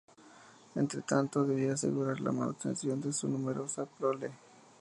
Entre tanto, debía asegurar la manutención de su numerosa prole.